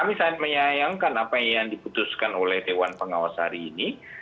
kami sangat menyayangkan apa yang diputuskan oleh dewan pengawas hari ini